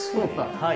はい。